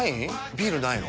ビールないの？